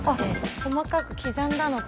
細かく刻んだのと。